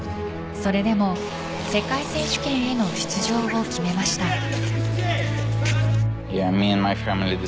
それでも世界選手権への出場を決めました。